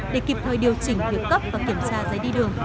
để kịp thời điều chỉnh việc cấp và kiểm tra giấy đi đường